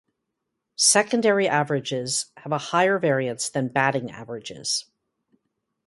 Secondary averages have a higher variance than batting averages.